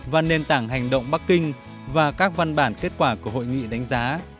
và nền tảng hành động bắc kinh và các văn bản kết quả của hội nghị đánh giá